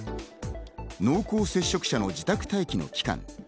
濃厚接触者の自宅待機の期間。